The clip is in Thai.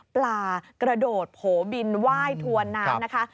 ปลากระโดดโผบินไหว้ถัวน้ำ